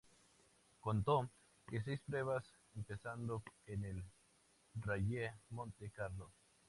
Contó con seis pruebas, empezando en el Rallye Monte Carlo.